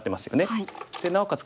でなおかつ